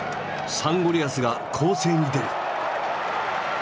サンゴリアスが攻勢に出る。